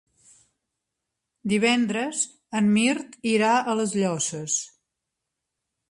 Divendres en Mirt irà a les Llosses.